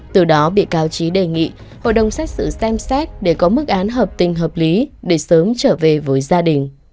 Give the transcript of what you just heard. từ đó bị cáo trí đề nghị hội đồng xét xử xem xét để có mức án hợp tình hợp lý để sớm trở về với gia đình